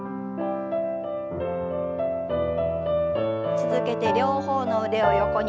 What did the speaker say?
続けて両方の腕を横に。